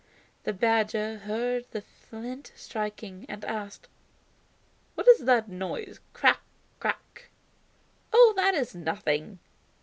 The badger heard the flint striking, and asked: "What is that noise. 'Crack, crack'?" "Oh, that is nothing."